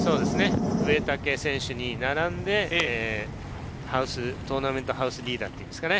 植竹選手に並んでトーナメントハウスリーダーになりますかね。